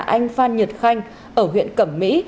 anh phan nhật khanh ở huyện cẩm mỹ